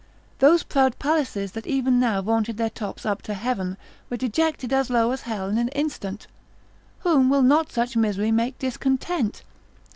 Those proud palaces that even now vaunted their tops up to heaven, were dejected as low as hell in an instant. Whom will not such misery make discontent?